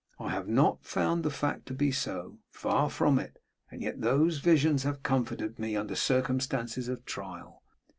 I have not found the fact to be so; far from it; and yet those visions have comforted me under circumstances of trial.